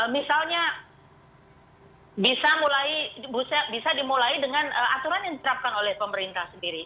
misalnya bisa dimulai dengan aturan yang diterapkan oleh pemerintah sendiri